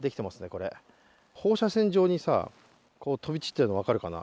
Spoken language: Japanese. これ、放射線状に、飛び散ってるのわかるかな。